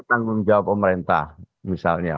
tanggung jawab pemerintah misalnya